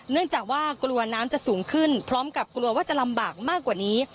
เนื่องจากว่ากลัวน้ำจะสูงขึ้นพร้อมกับกลัวว่าจะลำบากมากกว่านี้